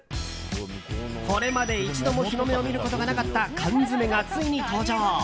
これまで一度も日の目を見ることがなかった缶詰がついに登場。